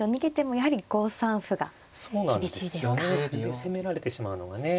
で攻められてしまうのがね。